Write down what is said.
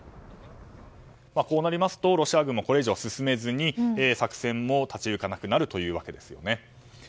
こうなりますとロシア軍もこれ以上、進めずに作戦も立ち行かなくなるというわけですよね。